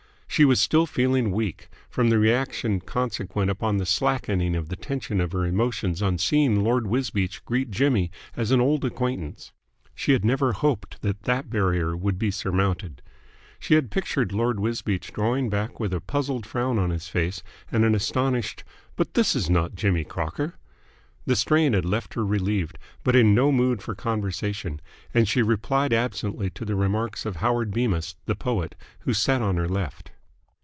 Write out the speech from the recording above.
She was still feeling weak from the reaction consequent upon the slackening of the tension of her emotions on seeing Lord Wisbeach greet Jimmy as an old acquaintance. She had never hoped that that barrier would be surmounted. She had pictured Lord Wisbeach drawing back with a puzzled frown on his face and an astonished "But this is not Jimmy Crocker." The strain had left her relieved, but in no mood for conversation, and she replied absently to the remarks of Howard Bemis, the poet, who sat on her left.